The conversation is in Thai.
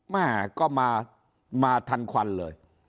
แม่ก็มาทันควันเลย